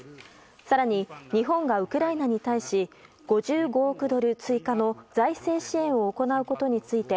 更に、日本がウクライナに対し５５億ドル追加の財政支援を行うことについて